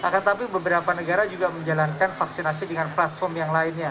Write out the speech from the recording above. akan tetapi beberapa negara juga menjalankan vaksinasi dengan platform yang lainnya